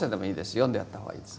読んでやった方がいいです。